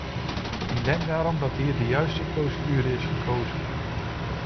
Ik denk daarom dat hier de juiste procedure is gekozen.